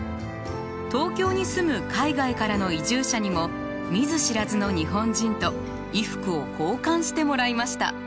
東京に住む海外からの移住者にも見ず知らずの日本人と衣服を交換してもらいました。